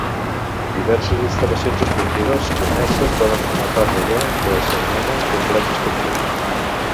Diverses instal·lacions esportives connexes poden formar part d'allò que s'anomena complex esportiu.